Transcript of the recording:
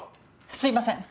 すいません。